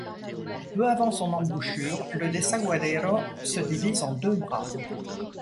Peu avant son embouchure, le Desaguadero se divise en deux bras.